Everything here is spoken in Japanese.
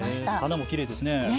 花もきれいですね。